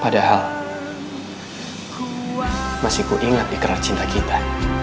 padahal masih kuingat ikhrar cinta kita